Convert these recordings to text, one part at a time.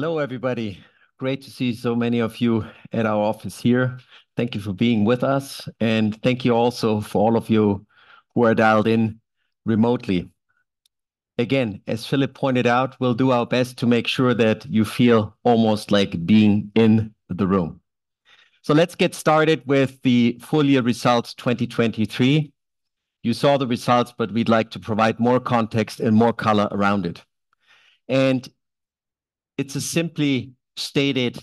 Hello everybody. Great to see so many of you at our office here. Thank you for being with us, and thank you also for all of you who are dialed in remotely. Again, as Filip pointed out, we'll do our best to make sure that you feel almost like being in the room. So let's get started with the full year results 2023. You saw the results, but we'd like to provide more context and more color around it. It's a simply stated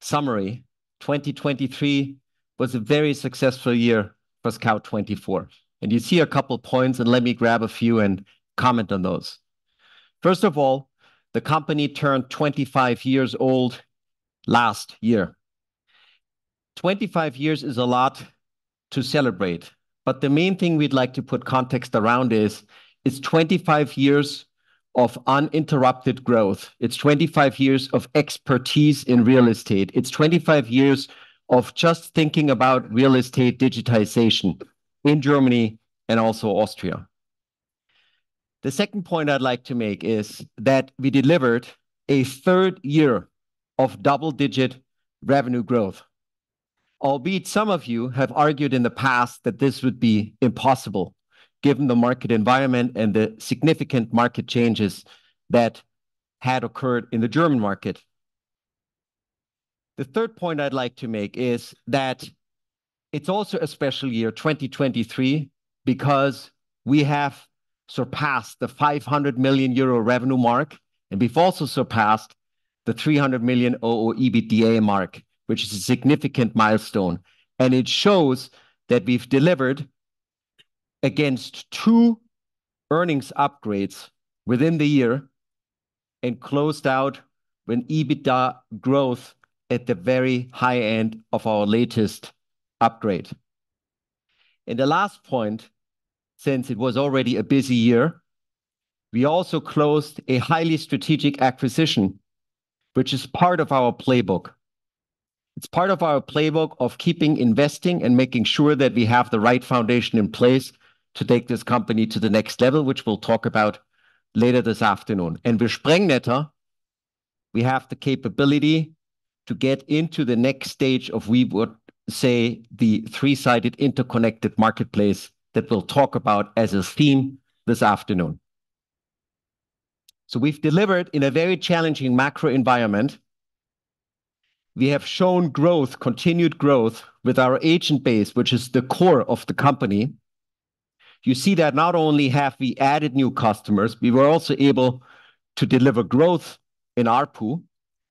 summary: 2023 was a very successful year for Scout24. You see a couple points, and let me grab a few and comment on those. First of all, the company turned 25 years old last year. 25 years is a lot to celebrate, but the main thing we'd like to put context around is: it's 25 years of uninterrupted growth. It's 25 years of expertise in real estate. It's 25 years of just thinking about real estate digitization in Germany and also Austria. The second point I'd like to make is that we delivered a third year of double-digit revenue growth, albeit some of you have argued in the past that this would be impossible given the market environment and the significant market changes that had occurred in the German market. The third point I'd like to make is that it's also a special year, 2023, because we have surpassed the 500 million euro revenue mark, and we've also surpassed the 300 million EBITDA mark, which is a significant milestone. It shows that we've delivered against two earnings upgrades within the year and closed out with EBITDA growth at the very high end of our latest upgrade. The last point, since it was already a busy year, we also closed a highly strategic acquisition, which is part of our playbook. It's part of our playbook of keeping investing and making sure that we have the right foundation in place to take this company to the next level, which we'll talk about later this afternoon. With Sprengnetter, we have the capability to get into the next stage of, we would say, the three-sided interconnected marketplace that we'll talk about as a theme this afternoon. We've delivered in a very challenging macro environment. We have shown growth, continued growth, with our agent base, which is the core of the company. You see that not only have we added new customers, we were also able to deliver growth in ARPU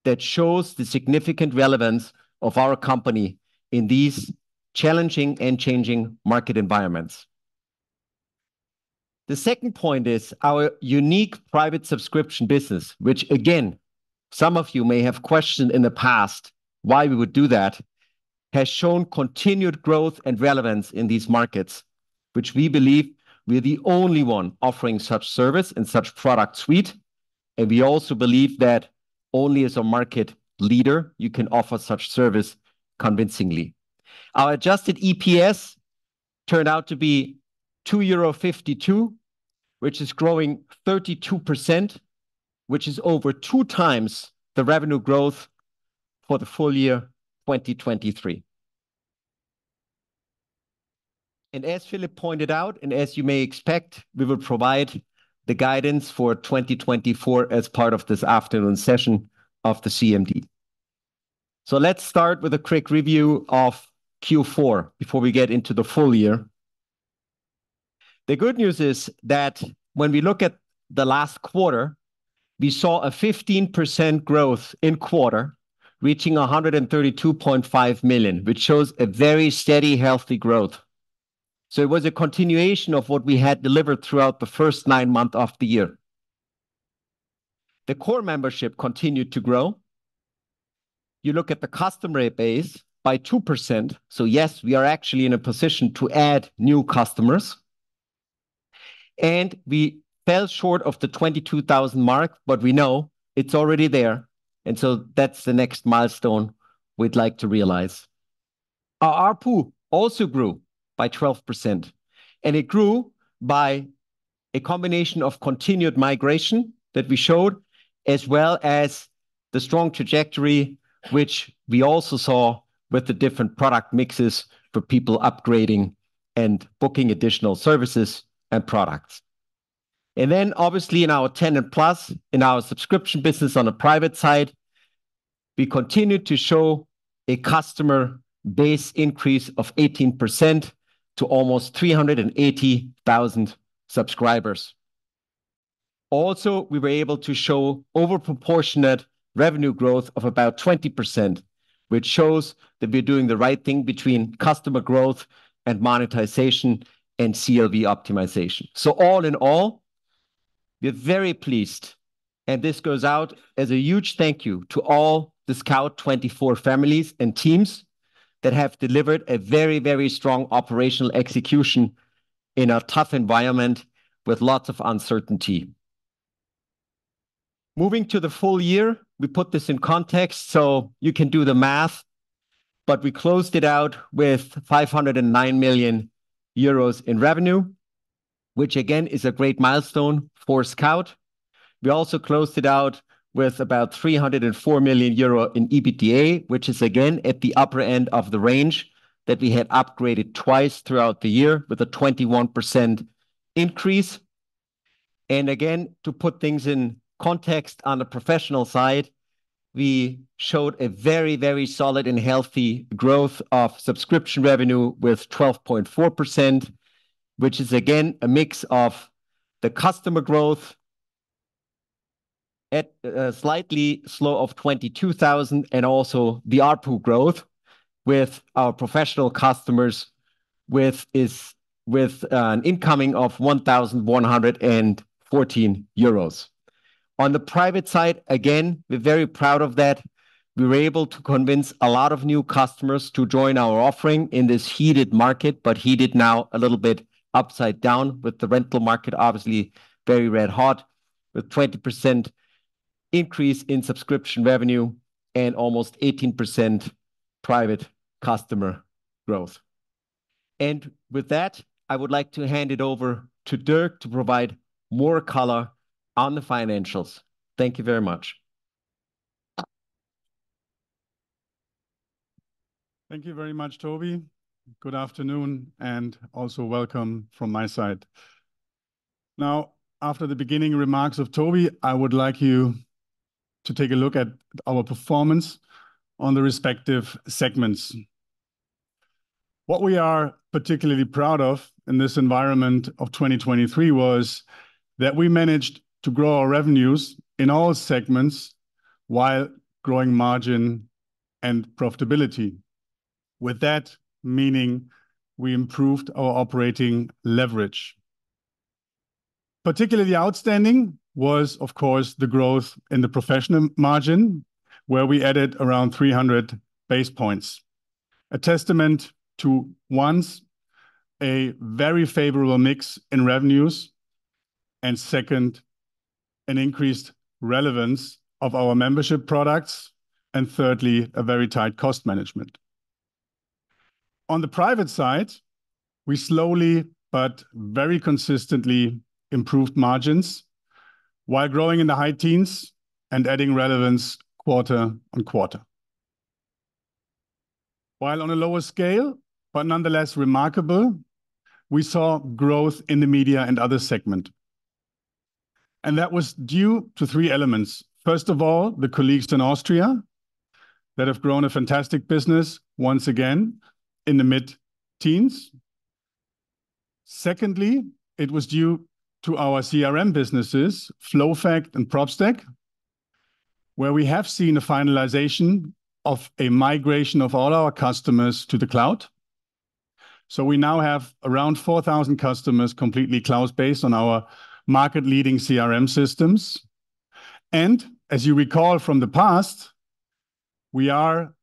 that shows the significant relevance of our company in these challenging and changing market environments. The second point is our unique private subscription business, which, again, some of you may have questioned in the past why we would do that, has shown continued growth and relevance in these markets, which we believe we are the only one offering such service and such product suite. We also believe that only as a market leader you can offer such service convincingly. Our adjusted EPS turned out to be 2.52 euro, which is growing 32%, which is over two times the revenue growth for the full year 2023. As Filip pointed out, and as you may expect, we will provide the guidance for 2024 as part of this afternoon session of the CMD. Let's start with a quick review of Q4 before we get into the full year. The good news is that when we look at the last quarter, we saw a 15% growth in the quarter reaching 132.5 million, which shows a very steady, healthy growth. It was a continuation of what we had delivered throughout the first nine months of the year. The core membership continued to grow. You look at the customer base by 2%. Yes, we are actually in a position to add new customers. We fell short of the 22,000 mark, but we know it's already there. That's the next milestone we'd like to realize. Our ARPU also grew by 12%, and it grew by a combination of continued migration that we showed, as well as the strong trajectory which we also saw with the different product mixes for people upgrading and booking additional services and products. And then, obviously, in our TenantPlus, in our subscription business on the private side, we continued to show a customer base increase of 18% to almost 380,000 subscribers. Also, we were able to show overproportionate revenue growth of about 20%, which shows that we're doing the right thing between customer growth and monetization and CLV optimization. All in all, we're very pleased. This goes out as a huge thank you to all the Scout24 families and teams that have delivered a very, very strong operational execution in a tough environment with lots of uncertainty. Moving to the full year, we put this in context so you can do the math, but we closed it out with 509 million euros in revenue, which again is a great milestone for Scout. We also closed it out with about 304 million euro in EBITDA, which is again at the upper end of the range that we had upgraded twice throughout the year with a 21% increase. And again, to put things in context on the professional side, we showed a very, very solid and healthy growth of subscription revenue with 12.4%, which is again a mix of the customer growth at a slightly slow of 22,000 and also the ARPU growth with our professional customers with an incoming of 1,114 euros. On the private side, again, we're very proud of that. We were able to convince a lot of new customers to join our offering in this heated market, but heated now a little bit upside down with the rental market, obviously very red-hot, with a 20% increase in subscription revenue and almost 18% private customer growth. With that, I would like to hand it over to Dirk to provide more color on the financials. Thank you very much. Thank you very much, Tobi. Good afternoon, and also welcome from my side. Now, after the beginning remarks of Tobi, I would like you to take a look at our performance on the respective segments. What we are particularly proud of in this environment of 2023 was that we managed to grow our revenues in all segments while growing margin and profitability, with that meaning we improved our operating leverage. Particularly outstanding was, of course, the growth in the professional margin, where we added around 300 basis points, a testament to, first, a very favorable mix in revenues, and second, an increased relevance of our membership products, and thirdly, a very tight cost management. On the private side, we slowly but very consistently improved margins while growing in the high teens and adding relevance quarter on quarter. While on a lower scale but nonetheless remarkable, we saw growth in the media and other segments. That was due to three elements. First of all, the colleagues in Austria that have grown a fantastic business once again in the mid-teens. Secondly, it was due to our CRM businesses, FlowFACT and Propstack, where we have seen a finalization of a migration of all our customers to the cloud. We now have around 4,000 customers completely cloud-based on our market-leading CRM systems. As you recall from the past, we are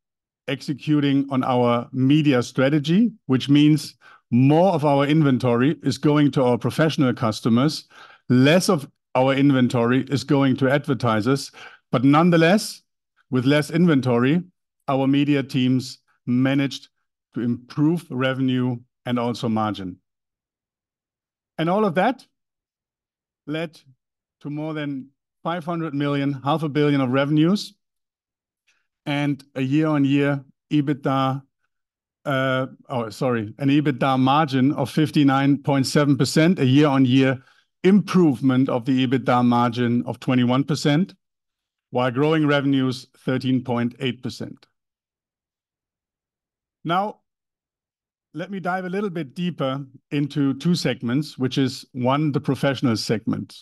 executing on our media strategy, which means more of our inventory is going to our professional customers, less of our inventory is going to advertisers. Nonetheless, with less inventory, our media teams managed to improve revenue and also margin. All of that led to more than 500 million, 500 million of revenues, and a year-on-year EBITDA, oh, sorry, an EBITDA margin of 59.7%, a year-on-year improvement of the EBITDA margin of 21%, while growing revenues 13.8%. Now, let me dive a little bit deeper into two segments, which is, one, the professional segment.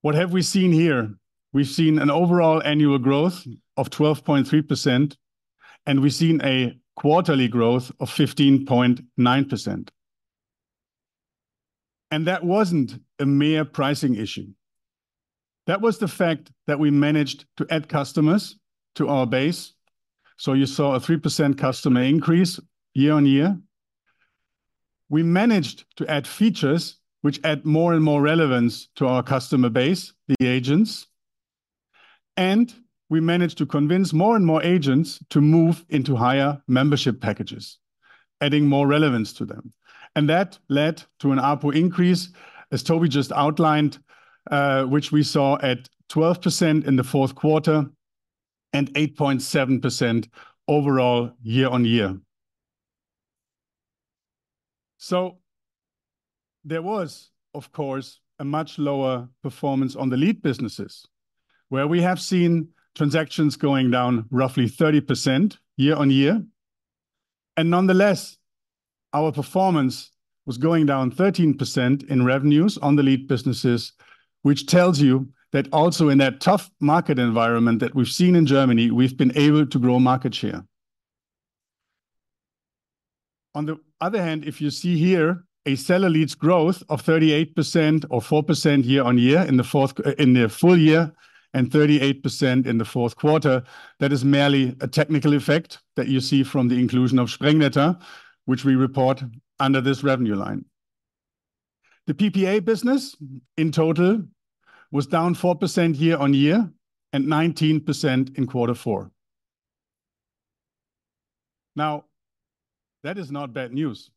What have we seen here? We've seen an overall annual growth of 12.3%, and we've seen a quarterly growth of 15.9%. And that wasn't a mere pricing issue. That was the fact that we managed to add customers to our base. So you saw a 3% customer increase year-on-year. We managed to add features which add more and more relevance to our customer base, the agents. And we managed to convince more and more agents to move into higher membership packages, adding more relevance to them. And that led to an ARPU increase, as Tobi just outlined, which we saw at 12% in the fourth quarter and 8.7% overall year-on-year. So there was, of course, a much lower performance on the lead businesses, where we have seen transactions going down roughly 30% year-on-year. And nonetheless, our performance was going down 13% in revenues on the lead businesses, which tells you that also in that tough market environment that we've seen in Germany, we've been able to grow market share. On the other hand, if you see here a seller leads growth of 38% or 4% year-on-year in the full year and 38% in the fourth quarter, that is merely a technical effect that you see from the inclusion of Sprengnetter, which we report under this revenue line. The PPA business, in total, was down 4% year-on-year and 19% in quarter four. Now, that is not bad news,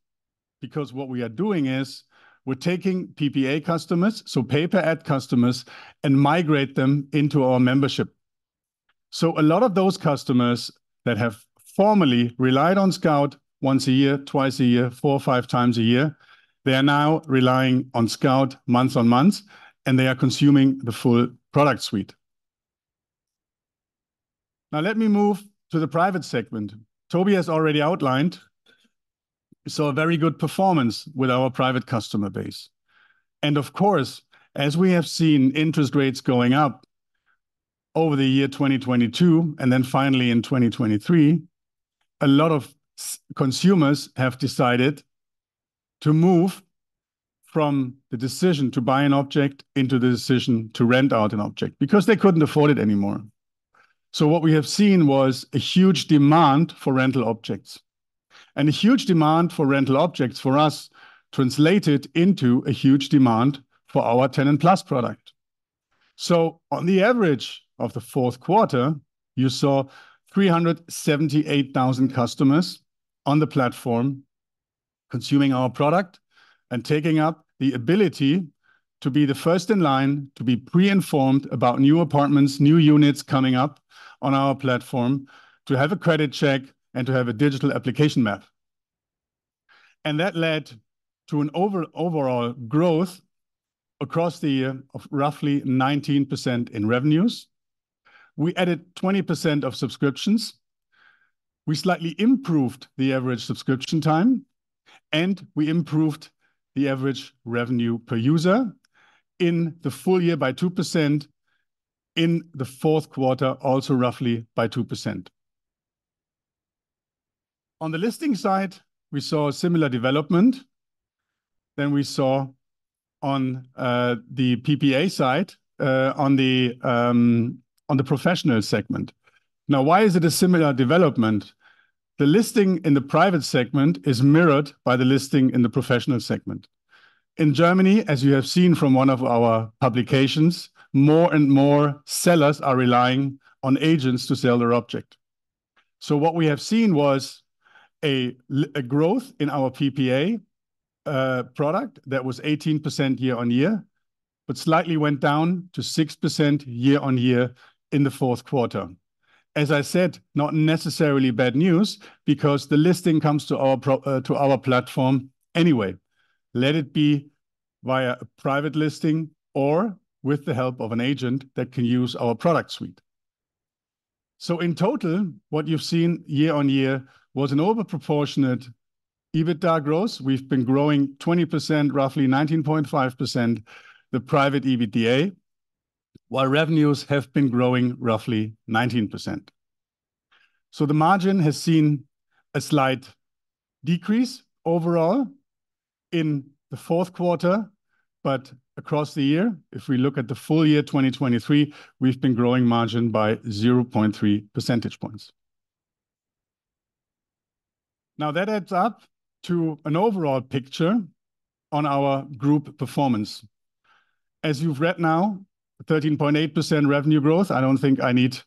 because what we are doing is we're taking PPA customers, so pay-per-ad customers, and migrate them into our membership. So a lot of those customers that have formerly relied on Scout once a year, twice a year, four or five times a year, they are now relying on Scout month on month, and they are consuming the full product suite. Now, let me move to the private segment. Tobi has already outlined we saw a very good performance with our private customer base. And of course, as we have seen interest rates going up over the year 2022 and then finally in 2023, a lot of consumers have decided to move from the decision to buy an object into the decision to rent out an object because they couldn't afford it anymore. So what we have seen was a huge demand for rental objects. A huge demand for rental objects for us translated into a huge demand for our TenantPlus product. On the average of the fourth quarter, you saw 378,000 customers on the platform consuming our product and taking up the ability to be the first in line, to be pre-informed about new apartments, new units coming up on our platform, to have a credit check, and to have a digital application map. That led to an overall growth across the year of roughly 19% in revenues. We added 20% of subscriptions. We slightly improved the average subscription time. We improved the average revenue per user in the full year by 2%, in the fourth quarter also roughly by 2%. On the listing side, we saw a similar development than we saw on the PPA side on the professional segment. Now, why is it a similar development? The listing in the private segment is mirrored by the listing in the professional segment. In Germany, as you have seen from one of our publications, more and more sellers are relying on agents to sell their object. So what we have seen was a growth in our PPA product that was 18% year-on-year, but slightly went down to 6% year-on-year in the fourth quarter. As I said, not necessarily bad news because the listing comes to our platform anyway, let it be via a private listing or with the help of an agent that can use our product suite. So in total, what you've seen year-on-year was an overproportionate EBITDA growth. We've been growing 20%, roughly 19.5%, the private EBITDA, while revenues have been growing roughly 19%. So the margin has seen a slight decrease overall in the fourth quarter, but across the year, if we look at the full year 2023, we've been growing margin by 0.3 percentage points. Now, that adds up to an overall picture on our group performance. As you've read now, 13.8% revenue growth. I don't think I need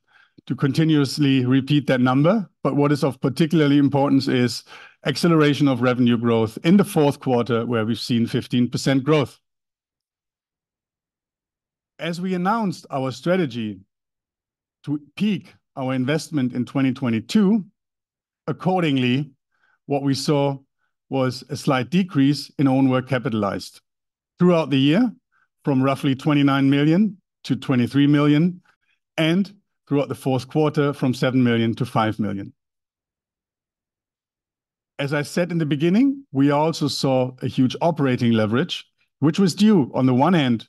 to continuously repeat that number, but what is of particularly importance is acceleration of revenue growth in the fourth quarter where we've seen 15% growth. As we announced our strategy to peak our investment in 2022, accordingly, what we saw was a slight decrease in own work capitalized throughout the year from roughly 29 million to 23 million, and throughout the fourth quarter from 7 million to 5 million. As I said in the beginning, we also saw a huge operating leverage, which was due on the one hand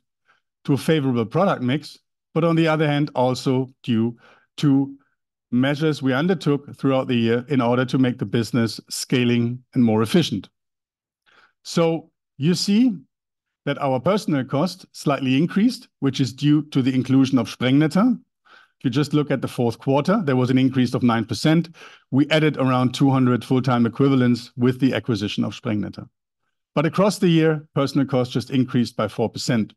to a favorable product mix, but on the other hand also due to measures we undertook throughout the year in order to make the business scaling and more efficient. So you see that our personnel cost slightly increased, which is due to the inclusion of Sprengnetter. If you just look at the fourth quarter, there was an increase of 9%. We added around 200 full-time equivalents with the acquisition of Sprengnetter. But across the year, personnel cost just increased by 4%.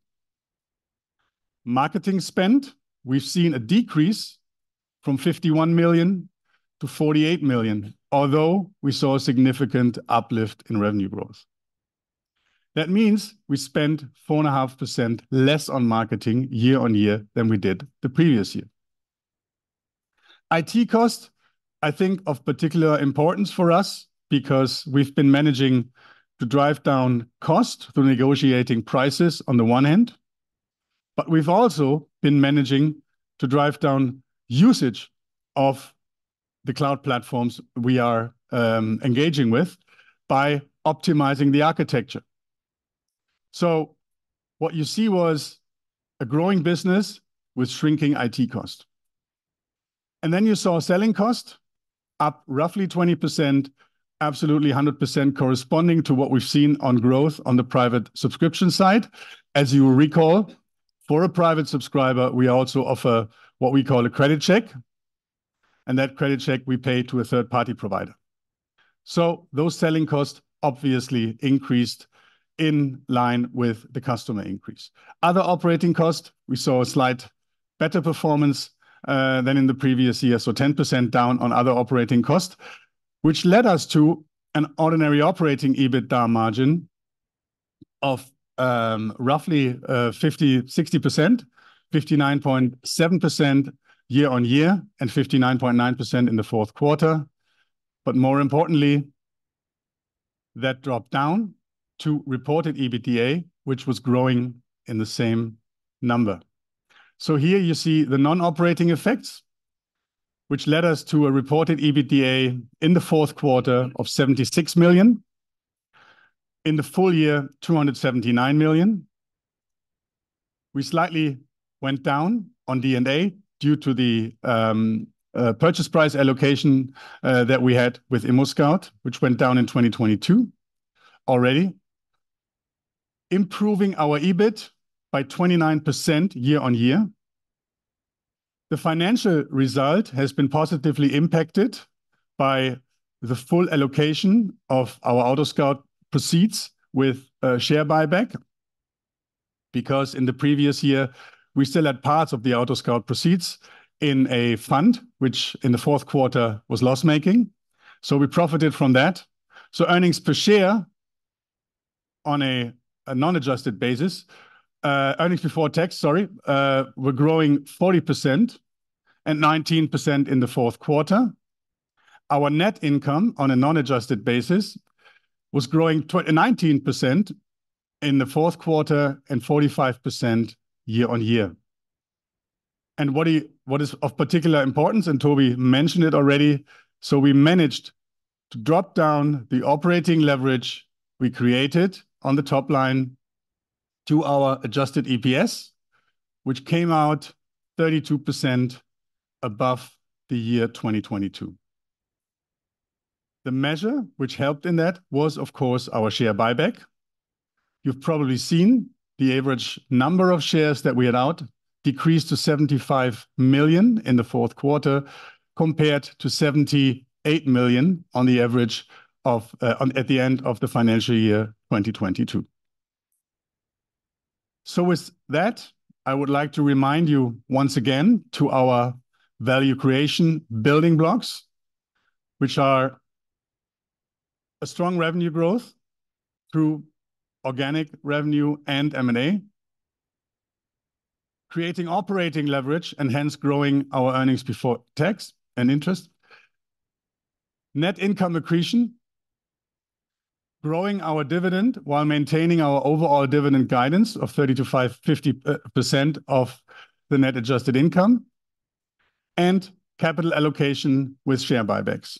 Marketing spend, we've seen a decrease from 51 million to 48 million, although we saw a significant uplift in revenue growth. That means we spent 4.5% less on marketing year-on-year than we did the previous year. IT cost, I think, of particular importance for us because we've been managing to drive down cost through negotiating prices on the one hand. But we've also been managing to drive down usage of the cloud platforms we are engaging with by optimizing the architecture. So what you see was a growing business with shrinking IT cost. And then you saw selling cost up roughly 20%, absolutely 100% corresponding to what we've seen on growth on the private subscription side. As you recall, for a private subscriber, we also offer what we call a credit check. And that credit check we pay to a third-party provider. So those selling costs obviously increased in line with the customer increase. Other operating cost, we saw a slight better performance than in the previous year, so 10% down on other operating cost, which led us to an ordinary operating EBITDA margin of roughly 50%, 60%, 59.7% year-on-year, and 59.9% in the fourth quarter. But more importantly, that dropped down to reported EBITDA, which was growing in the same number. So here you see the non-operating effects, which led us to a reported EBITDA in the fourth quarter of 76 million. In the full year, 279 million. We slightly went down on D&A due to the purchase price allocation that we had with ImmoScout, which went down in 2022 already. Improving our EBIT by 29% year-on-year. The financial result has been positively impacted by the full allocation of our AutoScout24 proceeds with share buyback because in the previous year, we still had parts of the AutoScout24 proceeds in a fund which in the fourth quarter was loss-making. So we profited from that. So earnings per share on a non-adjusted basis, earnings before tax, sorry, were growing 40% and 19% in the fourth quarter. Our net income on a non-adjusted basis was growing 19% in the fourth quarter and 45% year-on-year. And what is of particular importance, and Tobi mentioned it already, so we managed to drop down the operating leverage we created on the top line to our adjusted EPS, which came out 32% above the year 2022. The measure which helped in that was, of course, our share buyback. You've probably seen the average number of shares that we had out decreased to 75 million in the fourth quarter compared to 78 million on the average at the end of the financial year 2022. So with that, I would like to remind you once again to our value creation building blocks, which are a strong revenue growth through organic revenue and M&A, creating operating leverage and hence growing our earnings before tax and interest, net income accretion, growing our dividend while maintaining our overall dividend guidance of 30%-50% of the net adjusted income, and capital allocation with share buybacks.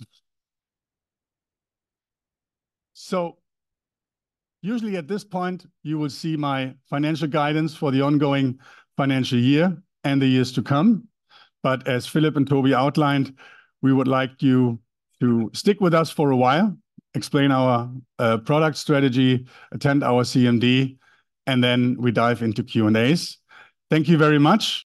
So usually at this point, you will see my financial guidance for the ongoing financial year and the years to come. But as Filip and Tobi outlined, we would like you to stick with us for a while, explain our product strategy, attend our CMD, and then we dive into Q&As. Thank you very much.